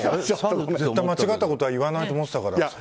間違ったことは言わないと思ってたから。